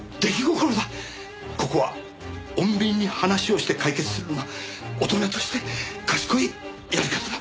ここは穏便に話をして解決するのが大人として賢いやり方だ。